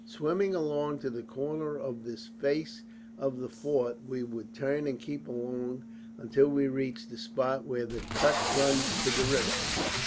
"Swimming along to the corner of this face of the fort, we would turn and keep along until we reached the spot where the cut runs to the river.